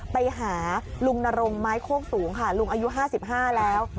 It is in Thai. ไปหาลุงนรงไม้โคกสูงค่ะลุงอายุ๕๕แล้ว